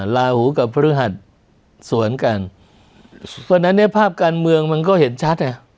ลาหูกับพฤหัสสวนกันเพราะฉะนั้นเนี่ยภาพการเมืองมันก็เห็นชัดอ่ะ